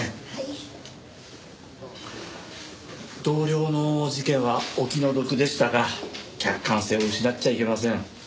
同僚の事件はお気の毒でしたが客観性を失っちゃいけません。